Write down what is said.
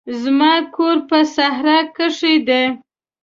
زما کور په صحرا کښي دی.